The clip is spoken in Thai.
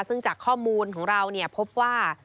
ซึ่งจากข้อมูลของเราพบว่า